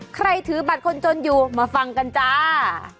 ใครถือบัตรคนจนอยู่มาฟังกันจ้า